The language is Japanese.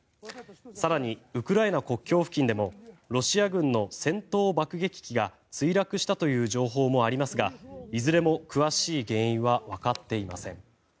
更に、ウクライナ国境付近でもロシア軍の戦闘爆撃機が墜落したという情報もありますがいずれも詳しい原因は分かっていません。